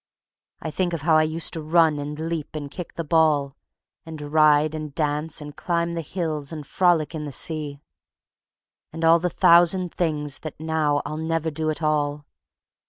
I think of how I used to run and leap and kick the ball, And ride and dance and climb the hills and frolic in the sea; And all the thousand things that now I'll never do at all.